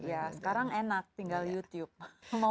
iya sekarang enak tinggal youtube